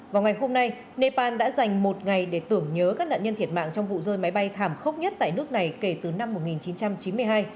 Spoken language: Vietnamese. vào ngày hôm nay nepal đã dành một ngày để tưởng nhớ các nạn nhân thiệt mạng trong vụ rơi máy bay thảm khốc nhất tại nước này kể từ năm một nghìn chín trăm chín mươi hai